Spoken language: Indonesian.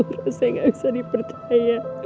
rasanya gak bisa dipercaya